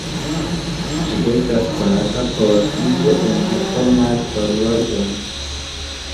Ĝi estas konata por uzo en atomaj horloĝoj.